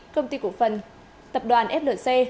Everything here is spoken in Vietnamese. công ty cổ phần tập đoàn flc